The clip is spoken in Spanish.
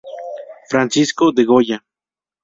Francisco de goya